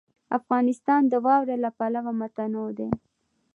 افغانستان د واوره له پلوه متنوع دی.